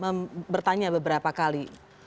pernah bertanya beberapa kali